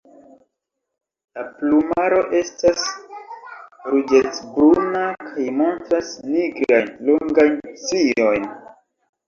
La plumaro estas ruĝecbruna kaj montras nigrajn longajn striojn.